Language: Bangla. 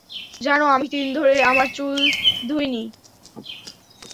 জানো, আমি তিন ধরে আমার চুল ধুই নি!